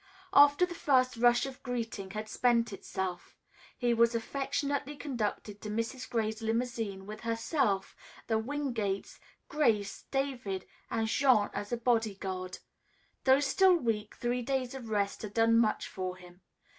After the first rush of greeting had spent itself, he was affectionately conducted to Mrs. Gray's limousine with herself, the Wingates, Grace, David and Jean as a bodyguard. Though still weak, three days of rest had done much for him.